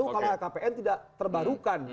kalau lkpn tidak terbarukan